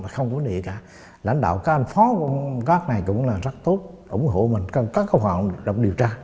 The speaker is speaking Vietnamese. không có lần kính tính gì hết